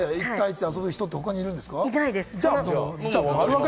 一対一で遊ぶ人、他にいるんですか？